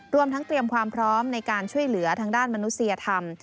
รวมทั้งเตรียมความพร้อมในการช่วยเหลือทางด้านมนุษยธรรม